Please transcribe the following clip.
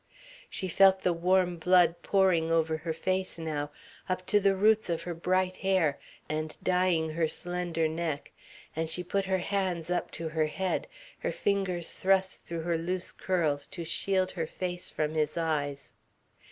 She felt the warm blood pouring over her face now, up to the roots of her bright hair and dyeing her slender neck, and she put her hands up to her head, her fingers thrust through her loose curls, to shield her face from his eyes.